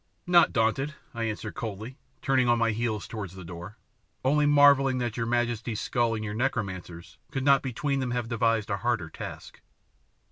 "Not daunted," I answered coldly, turning on my heels towards the door, "only marvelling that your majesty's skull and your necromancer's could not between them have devised a harder task."